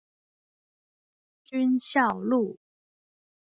軍校路